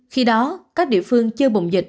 khi đó các địa phương chưa bụng dậy